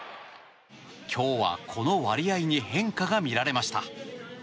今日は、この割合に変化が見られました。